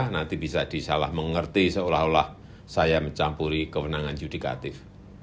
nanti bisa disalah mengerti seolah olah saya mencampuri kewenangan yudikatif